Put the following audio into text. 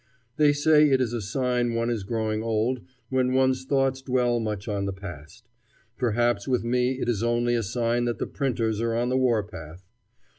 They say it is a sign one is growing old when one's thoughts dwell much on the past. Perhaps with me it is only a sign that the printers are on the war path.